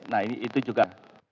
nah ini itu juga